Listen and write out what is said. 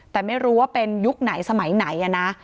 แต่ไม่รู้ว่าเป็นยุคไหนสมัยไหนนะ